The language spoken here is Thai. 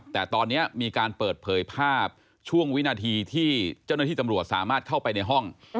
แต่ตอนนี้มีการเปิดเผยภาพช่วงวินาทีที่เจ้าหน้าที่ตำรวจสามารถเข้าไปในห้อง